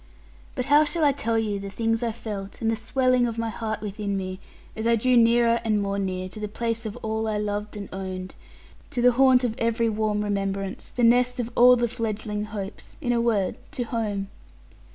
But how shall I tell you the things I felt, and the swelling of my heart within me, as I drew nearer, and more near, to the place of all I loved and owned, to the haunt of every warm remembrance, the nest of all the fledgling hopes in a word, to home?